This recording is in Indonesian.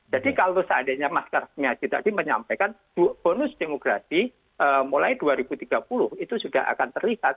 jadi kalau seandainya mas tasmi yassi tadi menyampaikan bonus demografi mulai dua ribu tiga puluh itu sudah akan terlihat